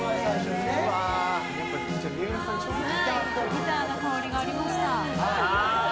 ギターの香りがありました。